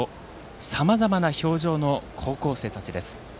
さまざまな表情の高校生たちです。